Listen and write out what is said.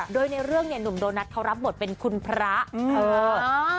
โดยในเรื่องเนี่ยหนุ่มโดนัทเขารับบทเป็นคุณพระเออ